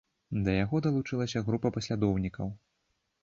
Да яго далучылася група паслядоўнікаў.